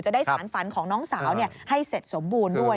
ได้สารฝันของน้องสาวให้เสร็จสมบูรณ์ด้วย